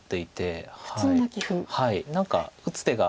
はい何か打つ手が。